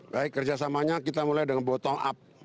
baik kerjasamanya kita mulai dengan bottong up